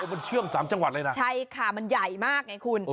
มันเชื่อม๓จังหวัดเลยนะใช่ค่ะมันใหญ่มากไงคุณ